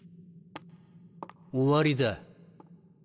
終わりだ。